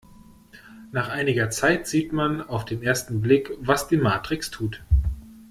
Nach einiger Zeit sieht man auf den ersten Blick, was die Matrix tut.